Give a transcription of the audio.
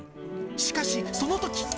しかしそのとき。